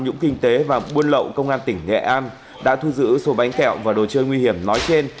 nhũng kinh tế và buôn lậu công an tỉnh nghệ an đã thu giữ số bánh kẹo và đồ chơi nguy hiểm nói trên